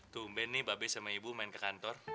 tumben nih babes sama ibu main ke kantor